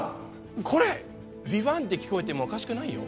これヴィヴァンって聞こえてもおかしくないよ